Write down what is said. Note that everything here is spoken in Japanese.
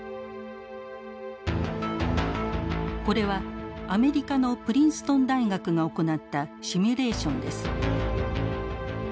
これはアメリカのプリンストン大学が行ったシミュレーションです。